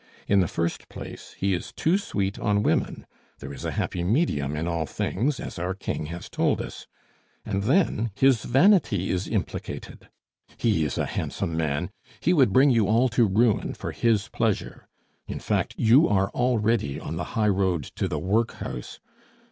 In the first place, he is too sweet on women. There is a happy medium in all things, as our King has told us. And then his vanity is implicated! He is a handsome man! He would bring you all to ruin for his pleasure; in fact, you are already on the highroad to the workhouse.